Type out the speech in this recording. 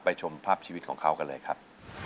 ชมภาพชีวิตของเขากันเลยครับ